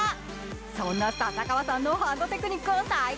そんな笹川さんのハンドテクニックを再現。